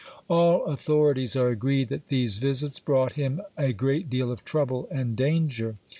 All authorities are agreed that these visits brought him a great deal of trouble and danger.